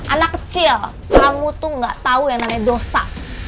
anak kecil kamu tuh gak tahu yang namanya dosa